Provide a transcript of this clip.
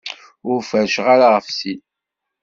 Ur feṛṛceɣ ara ɣef sin.